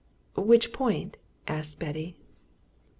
"Which point?" asked Betty.